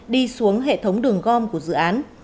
đi xuống hệ thống đường gom của dự án